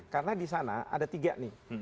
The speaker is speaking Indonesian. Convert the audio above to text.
karena di sana ada tiga nih